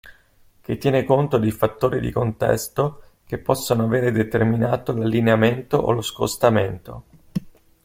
Che tiene conto dei fattori di contesto che possono avere determinato l'allineamento o lo scostamento.